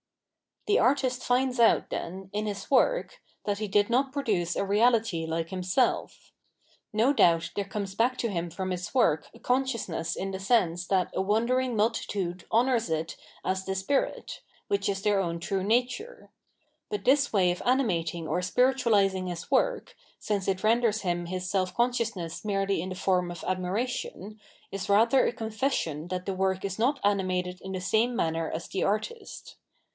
The artist finds out, then, in Ms work, that he did not produce a reahty hke Mmself. No doubt there comes back to bim from Ms work a consciousness in the sense that a wondering multitude honours it as the spirit, wMch is their own true nature. But this way of animating or spiritualising Ms work, since it renders biTu Ms self consciousness merely in the form of ad ^^mration, is rather a confession that the work is not 721 Tile Abstract Worh of Art animated in the same manner as the artist.